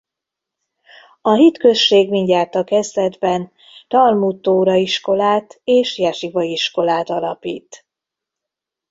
A hitközség mindjárt a kezdetben Talmud Tóra iskolát és jesiva iskolát alapít.